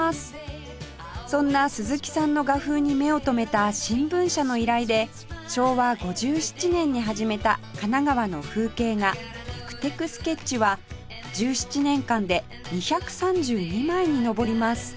そんな鈴木さんの画風に目を留めた新聞社の依頼で昭和５７年に始めた神奈川の風景画『てくてくスケッチ』は１７年間で２３２枚に上ります